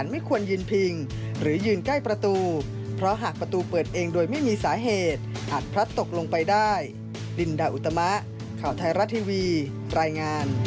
ไม่ว่าจะขนแน่นแค่ไหน